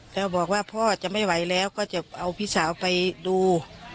แล้วบอกว่าพ่อจะไม่ไหวแล้วก็จะเอาพี่สาวไปดู